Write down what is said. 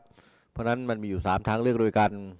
เพราะฉะนั้นมันมีอยู่๓ทางเลือกด้วยกัน